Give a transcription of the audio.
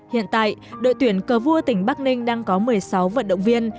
hiện tại đội tuyển cờ vua tỉnh bắc ninh đang có một mươi sáu vận động viên